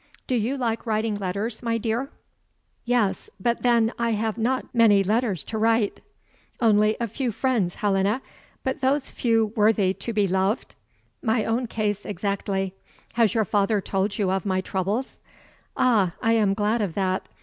"Do you like writing letters, my dear?" "Yes but then I have not many letters to write." "Only a few friends, Helena, but those few worthy to be loved? My own case exactly. Has your father told you of my troubles? Ah, I am glad of that.